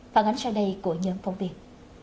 phản ánh sau đây của nhân phong việt